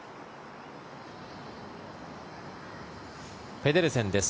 ペデルセンです。